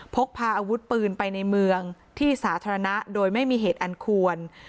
พกพาอาวุธปืนไปในเมืองที่สาธารณะโดยไม่มีเหตุอันควร